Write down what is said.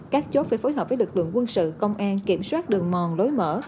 các chốt phải phối hợp với lực lượng quân sự công an kiểm soát đường mòn lối mở